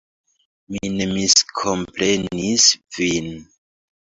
Mi ne miskomprenis vin.